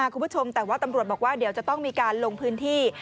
คุณผู้ชมแต่ว่าตำรวจบอกว่าเดี๋ยวจะต้องมีการลงพื้นที่